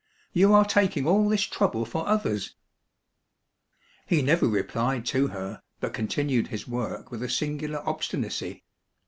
— You are taking all this trouble for others !" He never replied to her, but continued his work with a singular obstinacy.